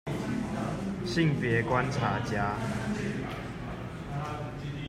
性別觀察家